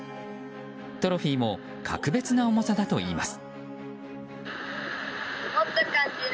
トロフィーも格別な重さだといいます。